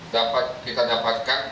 dapat kita dapatkan